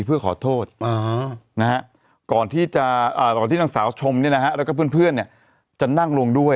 เพื่อขอโทษนะครับก่อนที่นางสาวชมเนี่ยนะครับแล้วก็เพื่อนเนี่ยจะนั่งลงด้วย